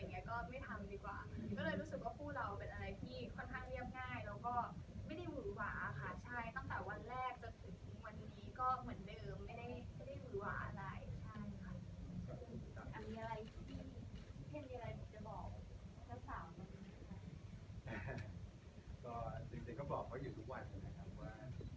ก็ไม่ทำดีกว่าก็เลยรู้สึกว่าผู้เราเป็นอะไรที่ค่อนข้างเรียบง่าย